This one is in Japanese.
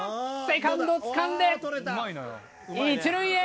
セカンドつかんで一塁へ！